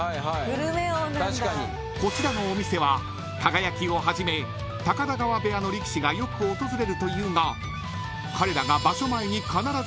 ［こちらのお店は輝をはじめ田川部屋の力士がよく訪れるというが彼らが］